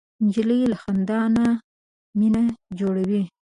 نجلۍ له خندا نه مینه جوړوي.